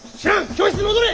教室に戻れ！